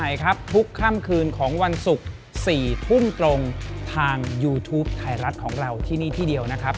ยูทูปไทยรัฐของเราที่นี่ที่เดียวนะครับ